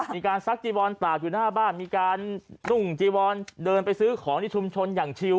ซักจีวอนตากอยู่หน้าบ้านมีการนุ่งจีวอนเดินไปซื้อของที่ชุมชนอย่างชิว